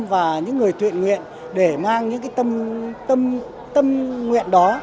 và những người thuyện nguyện để mang những tâm nguyện đó